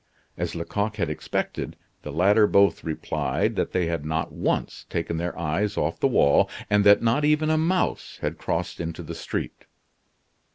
As Lecoq had expected, the latter both replied that they had not once taken their eyes off the wall, and that not even a mouse had crossed into the street.